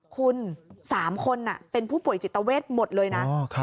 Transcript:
คุณ๓คนเป็นผู้ป่วยจิตเวทหมดเลยนะ